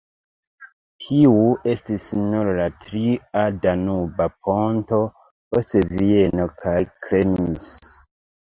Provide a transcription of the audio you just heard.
Tiu estis nur la tria Danuba ponto, post Vieno kaj Krems.